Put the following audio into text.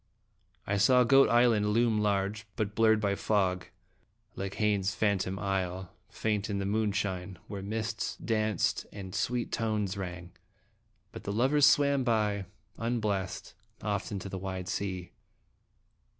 I saw Goat Island loom large, but blurred by fog, like Heine's phan tom isle, faint in the moonshine, where mists danced and sweet tones rang, but the lovers swam by, unblest, off into the wide sea.